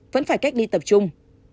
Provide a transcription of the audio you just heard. vẫn phải cách ly tập trung